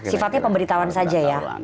sifatnya pemberitahuan saja ya